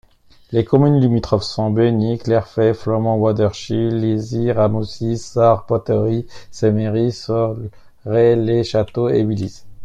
Les communes limitrophes sont Beugnies, Clairfayts, Flaumont-Waudrechies, Liessies, Ramousies, Sars-Poteries, Sémeries, Solre-le-Château et Willies.